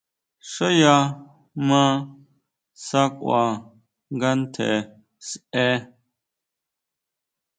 Yá ya ma sakʼua nga tjen sʼe.